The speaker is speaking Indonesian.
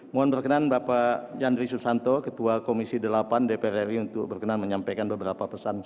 mohon berkenan bapak yandri susanto ketua komisi delapan dpr ri untuk berkenan menyampaikan beberapa pesan